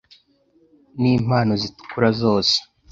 n'impano zitukura zose